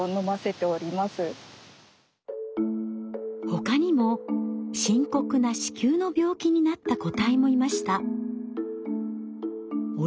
他にも深刻な子宮の病気になった個体もいました。